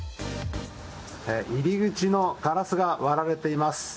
入り口のガラスが割られています。